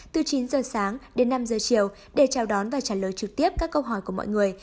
từ chín giờ sáng đến năm giờ chiều để chào đón và trả lời trực tiếp các câu hỏi của mọi người